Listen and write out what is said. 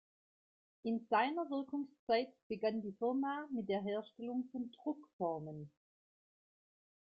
In seiner Wirkungszeit begann die Firma mit der Herstellung von Druckformen.